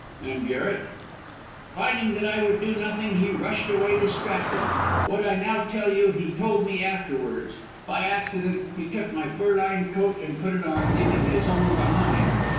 "And Garret?" "Finding that I would do nothing he rushed away distracted. What I now tell you he told me afterwards. By accident he took my fur lined coat and put it on, leaving his own behind.